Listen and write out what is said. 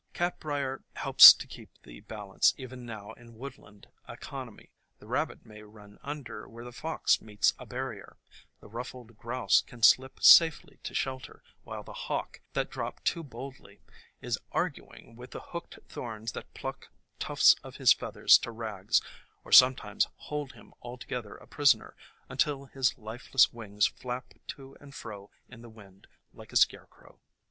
Catbrier helps to keep the balance even now in woodland economy. The rabbit may run under where the fox meets a barrier, the ruffed grouse can slip safely to shelter, while the hawk, that dropped too boldly, is arguing with the hooked thorns that pluck tufts of his feathers to rags, or sometimes hold him altogether a prisoner, until his lifeless wings flap to and fro in the wind like a scarecrow.